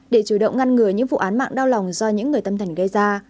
để chủ động ngăn ngừa những vụ án mạng đau lòng do những người tâm thần gây ra